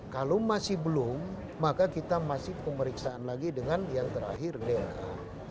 kalau masih belum maka kita masih pemeriksaan lagi dengan yang terakhir dna